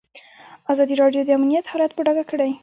ازادي راډیو د امنیت حالت په ډاګه کړی.